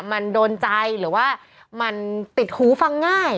มันโดนใจหรือว่ามันติดหูฟังง่าย